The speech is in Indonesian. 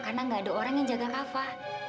karena gak ada orang yang jaga kava